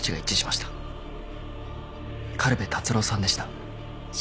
苅部達郎さんでした。